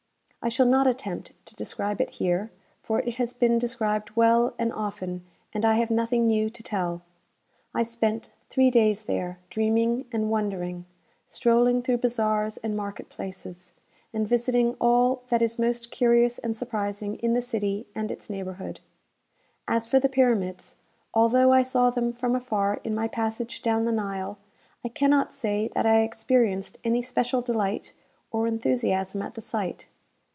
I shall not attempt to describe it here, for it has been described well and often, and I have nothing new to tell. I spent three days there, dreaming and wondering, strolling through bazaars and marketplaces, and visiting all that is most curious and surprising in the city and its neighbourhood. As for the Pyramids, although I saw them from afar in my passage down the Nile, I cannot say that I experienced any special delight or enthusiasm at the sight.